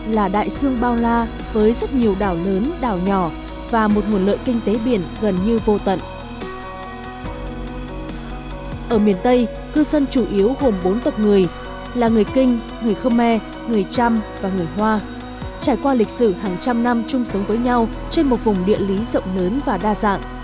là người kinh người khmer người trăm và người hoa trải qua lịch sử hàng trăm năm chung sống với nhau trên một vùng địa lý rộng lớn và đa dạng